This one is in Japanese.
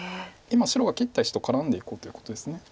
今白が切った石と絡んでいこうということです。